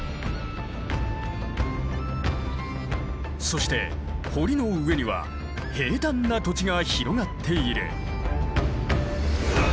そして堀の上には平たんな土地が広がっている。